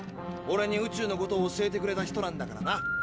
オレに宇宙の事を教えてくれた人なんだからな。